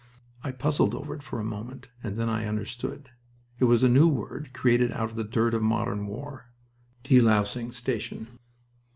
I puzzled over it a moment, and then understood. It was a new word created out of the dirt of modern war "Delousing station."